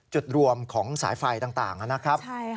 จุดรวมของสายไฟต่างนะครับ